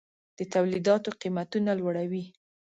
د تولیداتو قیمتونه لوړوي.